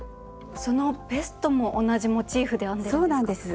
そのベストも同じモチーフで編んでるんですか？